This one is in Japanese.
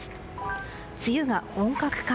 梅雨が本格化。